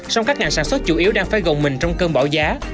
song các ngành sản xuất chủ yếu đang phải gồng mình trong cơm bỏ giá